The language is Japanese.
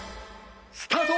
スタート！